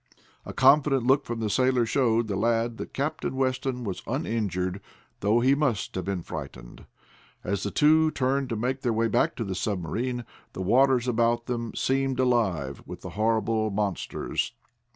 A confident look from the sailor showed the lad that Captain Weston was uninjured, though he must have been frightened. As the two turned to make their way back to the submarine, the waters about them seemed alive with the horrible monsters.